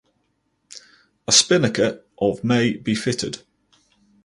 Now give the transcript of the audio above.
A spinnaker of may be fitted.